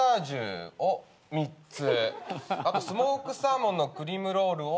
あとスモークサーモンのクリームロールを。